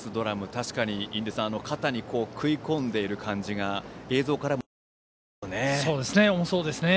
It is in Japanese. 確かに、印出さん肩に食い込んでいる感じが映像からも分かりますよね。